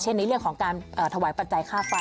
ในเรื่องของการถวายปัจจัยค่าไฟ